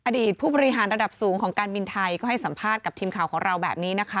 อดีตผู้บริหารระดับสูงของการบินไทยก็ให้สัมภาษณ์กับทีมข่าวของเราแบบนี้นะคะ